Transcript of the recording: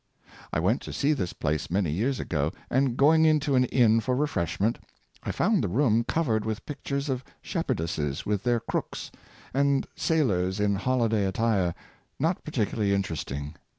I went to see this place many years ago; and, going into an inn for refreshment, I found the room covered with pic tures of shepherdesses with their crooks, and sailors in holiday attire, not particularly interesting.